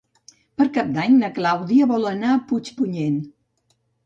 Per Cap d'Any na Clàudia vol anar a Puigpunyent.